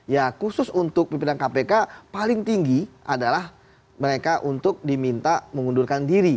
ya khusus untuk pimpinan kpk paling tinggi adalah mereka untuk diminta mengundurkan diri